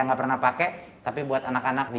nggak pernah pakai tapi buat anak anak di